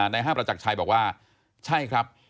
ในห้างประจักรชัยบอกว่าใช่ครับ